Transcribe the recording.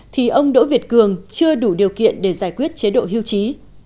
thì ông đỗ việt cường chưa đủ điều kiện để giải quyết chế độ hưu trí